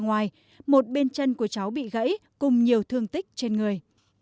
ở ngoài một bên chân của cháu bị gãy cùng nhiều thương tích trên người